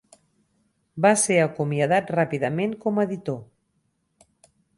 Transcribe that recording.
Va ser acomiadat ràpidament com a editor.